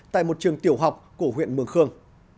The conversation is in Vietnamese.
tại một trường tiểu học của huyện mường khương